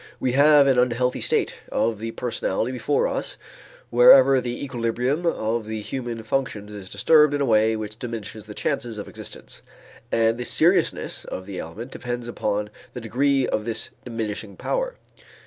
We have an unhealthy state of the personality before us wherever the equilibrium of the human functions is disturbed in a way which diminishes the chances of existence, and the seriousness of the ailment depends upon the degree of this diminishing power.